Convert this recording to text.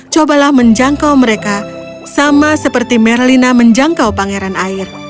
cobalah menjangkau mereka sama seperti merlina menjangkau pangeran air